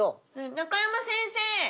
中山先生。